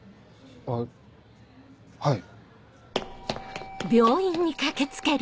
あっはい。